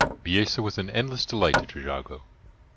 Bisesa was an endless delight to Trejago.